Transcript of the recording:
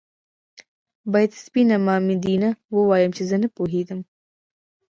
باید سپينه مامدينه ووايم چې زه نه پوهېدم